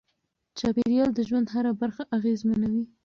چاپیریال د ژوند هره برخه اغېزمنوي.